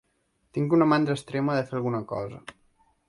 Tinc una mandra extrema de fer alguna cosa.